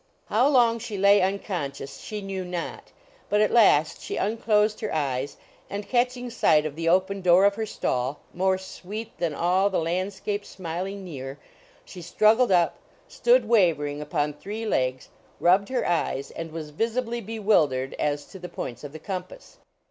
How long she lay unconscious she knew not, but at last she unclosed her eyes, and catching sight of the open door of her stall, "more sweet than all the landscape smiling near," she struggled up, stood wavering upon three legs, rubbed her eyes, and was visibly bewildered as to the points of the compass.